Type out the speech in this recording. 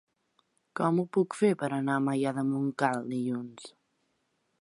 Com ho puc fer per anar a Maià de Montcal dilluns?